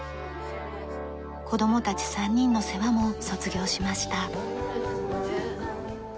子供たち３人の世話も卒業しました。